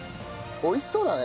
美味しそうだね。